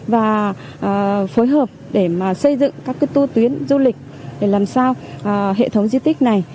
và phối hợp để xây dựng các tu tuyến du lịch để làm sao hệ thống di tích này